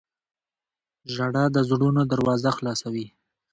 • ژړا د زړونو دروازه خلاصوي.